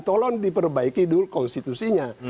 tolong diperbaiki dulu konstitusinya